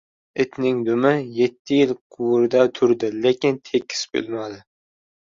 • Itning dumi yetti yil quvurda turdi, lekin tekis bo‘lmadi.